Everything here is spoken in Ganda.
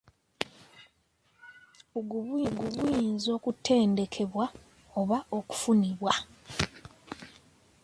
Obukugu buyinza okutendekebwa oba okufunibwa.